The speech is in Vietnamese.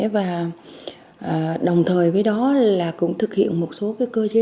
và đồng thời với đó là cũng thực hiện một số cơ chế